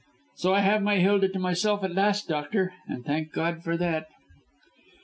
So I have my Hilda to myself at last, doctor, and thank God for that."